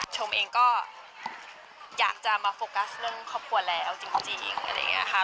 ชมเองก็อยากจะมาโฟกัสเรื่องครอบครัวแล้วจริงอะไรอย่างนี้ค่ะ